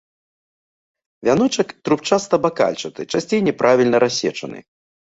Вяночак трубчаста-бакальчаты, часцей няправільна рассечаны.